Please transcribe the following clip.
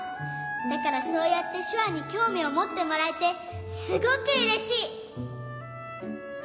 だからそうやってしゅわにきょうみをもってもらえてすごくうれしい！